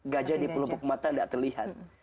gajah di pelupuk mata tidak terlihat